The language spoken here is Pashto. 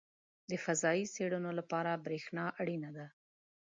• د فضایي څېړنو لپاره برېښنا اړینه ده.